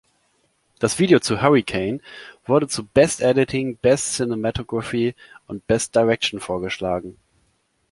Das Video zu "Hurricane" wurde für "Best Editing, Best Cinematography" und "Best Direction" vorgeschlagen.